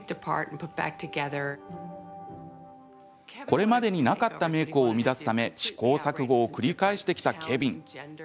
これまでになかったメイクを生み出すため試行錯誤を繰り返してきたケヴィン。